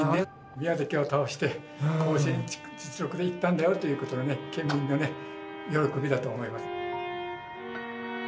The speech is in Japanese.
宮崎を倒して甲子園実力で行ったんだよということがね県民のね喜びだと思います。